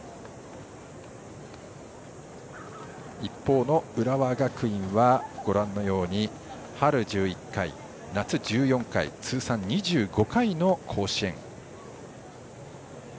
一方の浦和学院はご覧のように春１１回、夏１４回通算２５回の甲子園。